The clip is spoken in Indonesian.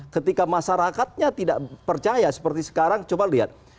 ketika masyarakatnya tidak percaya seperti sekarang coba lihat